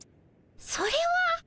それは。